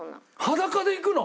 裸で行くの？